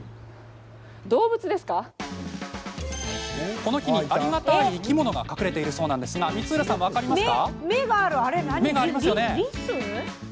この木に、ありがたい生き物が隠れているそうなんですが光浦さん、分かりますか？